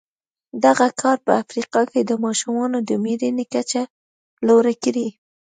دغه کار په افریقا کې د ماشومانو د مړینې کچه لوړه کړې.